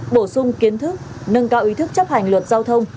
bổ sung kiến thức nâng cao ý thức chấp hành luật giao thông